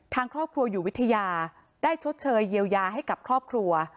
ทางครอบครัวอยู่วิทยาได้ชดเชยเยียวยาให้กับครอบครัว